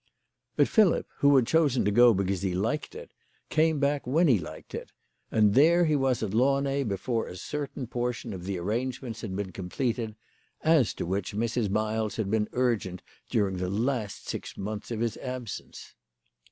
But Philip, who had chosen to go because he liked it, came back when he liked it, and there he was at Launay before a certain portion of the arrangements had been completed, as to which Mrs. Miles had been urgent during the last six months of his absence.